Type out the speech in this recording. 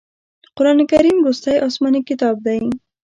قرآن کریم وروستی اسمانې کتاب دی.